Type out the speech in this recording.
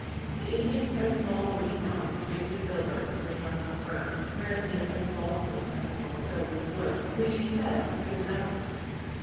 The Indian cut a small woody knob as big as a filbert from the trunk of a fir, apparently an old balsam vesicle filled with wood, which he said was good medicine.